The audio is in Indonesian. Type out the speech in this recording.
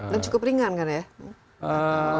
dan cukup ringan kan ya